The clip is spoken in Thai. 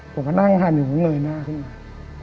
ผมก็นั่งหันอยู่เขาเงยหน้าขึ้นมา